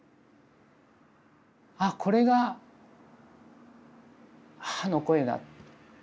あこれが母の声だ。